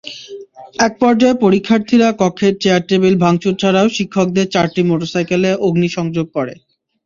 একপর্যায়ে পরীক্ষার্থীরা কক্ষের চেয়ার-টেবিল ভাঙচুর ছাড়াও শিক্ষকদের চারটি মোটরসাইকেলে অগ্নিসংযোগ করে।